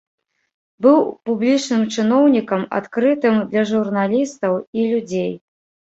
Быў публічным чыноўнікам, адкрытым для журналістаў і людзей.